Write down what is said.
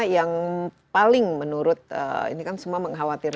yang paling menurut ini kan semua mengkhawatirkan